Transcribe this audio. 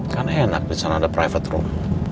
kan enak disana ada private room